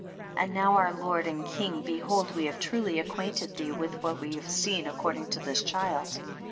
12. And now our lord and king, behold we have truly acquainted thee with what we have seen concerning this child.